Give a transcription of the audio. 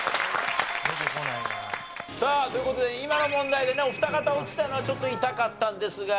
さあという事で今の問題でねお二方落ちたのはちょっと痛かったんですが。